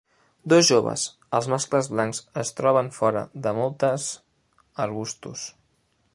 Dos joves, els mascles blancs es troben fora de moltes arbustos.